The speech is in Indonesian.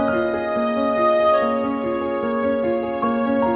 tidak ada yang bisa dipercaya